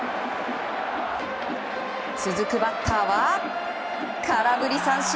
続くバッターは空振り三振。